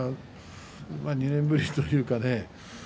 ２年ぶりというかね